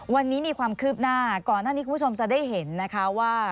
วันนี้มีความคืบหน้าก่อนหน้านี้คุณผู้ชมจะได้เห็นนะคะว่า